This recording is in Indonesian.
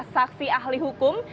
saksi ahli hukum